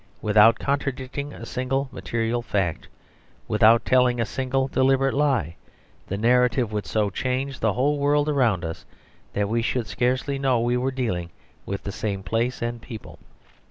Without contradicting a single material fact, without telling a single deliberate lie, the narrative would so change the whole world around us, that we should scarcely know we were dealing with the same place and people.